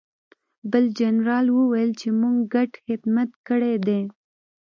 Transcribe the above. بل جنرال وویل چې موږ ګډ خدمت کړی دی